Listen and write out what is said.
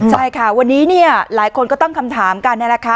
ใช่ค่ะวันนี้เนี่ยหลายคนก็ตั้งคำถามกันนี่แหละค่ะ